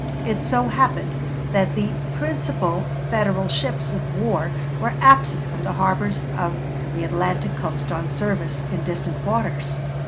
It so happened that the principal Federal ships of war were absent from the harbors of the Atlantic coast on service in distant waters.